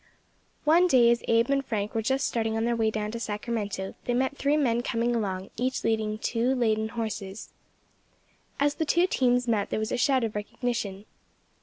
One day, as Abe and Frank were just starting on their way down to Sacramento, they met three men coming along, each leading two laden horses. As the two teams met there was a shout of recognition.